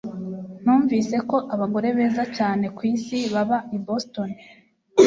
Numvise ko abagore beza cyane ku isi baba i Boston